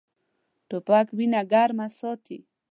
توپک وینه ګرمه ساتي.